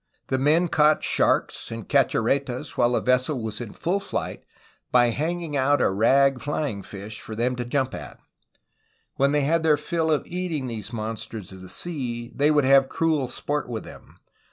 The men caught sharks and cachorretas while the ves sel was in full flight by hanging out a rag flying fish for them to jump at. When they had their fill of eating these mon sters of the sea, they would have cruel sport with them.